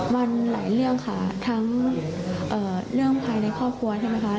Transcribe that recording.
มันหลายเรื่องค่ะทั้งเรื่องภายในครอบครัวใช่ไหมคะ